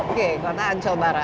oke kota ancol barat